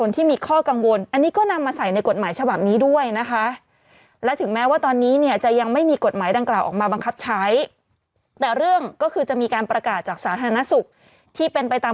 แต่เรื่องก็คือจะมีการประกาศจากสาธารณสุขที่เป็นไปตาม